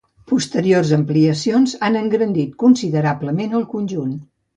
Posteriors ampliacions han engrandit considerablement el conjunt.